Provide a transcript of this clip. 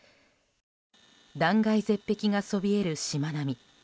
断崖絶壁がそびえる島並。